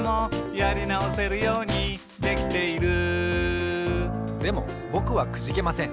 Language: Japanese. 「やりなおせるようにできている」でもぼくはくじけません。